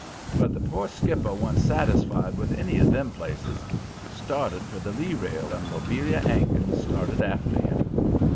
But the poor skipper wa'n't satisfied with any of them places; he started for the lee rail, and Lobelia 'Ankins started after him.